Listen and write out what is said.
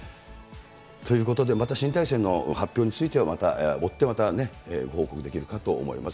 ということで、また新体制の発表については、また、おってまた報告できるかと思います。